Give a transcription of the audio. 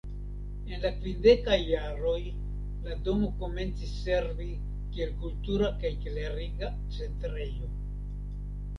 En la kvindekaj jaroj la domo komencis servi kiel kultura kaj kleriga centrejo.